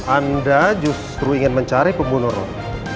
anda justru ingin mencari pembunuh roy